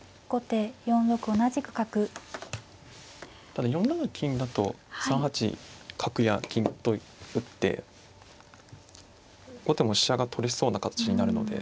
ただ４七金だと３八角や金と打って後手も飛車が取れそうな形になるので。